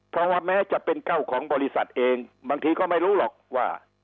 เพราะว่าแม้จะเป็นเจ้าของบริษัทเองบางทีก็ไม่รู้หรอกว่า